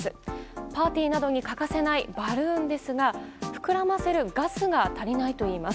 パーティーなどに欠かせないバルーンですが膨らませるガスが足りないといいます。